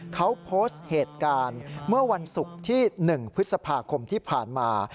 เขาโพสต์เหตุการณ์เมื่อวันศุกร์ที่๑พฤษภาคมที่ผ่านมา